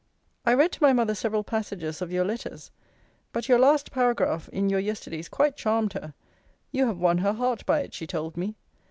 I read to my mother several passages of your letters. But your last paragraph, in your yesterday's quite charmed her. You have won her heart by it, she told me.